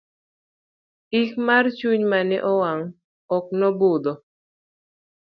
ik mar chuny mane owang' ok nobudho